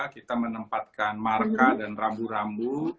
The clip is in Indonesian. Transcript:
kita menempatkan marka dan rambu rambu